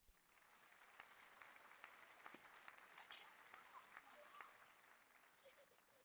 这种花包括兰花。